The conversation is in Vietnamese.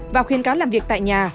và khuyên cáo làm việc tại nhà